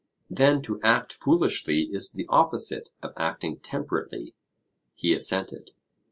Then to act foolishly is the opposite of acting temperately? He assented.